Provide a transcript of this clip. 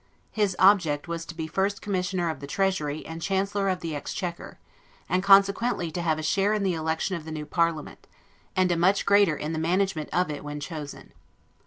His object was to be First Commissioner of the Treasury, and Chancellor of the Exchequer, and consequently to have a share in the election of the new parliament, and a much greater in the management of it when chosen.